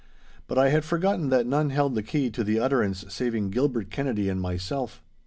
But I had forgotten that none held the key to the utterance saving Gilbert Kennedy and myself.